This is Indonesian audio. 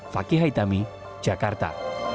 fakih haitami jakarta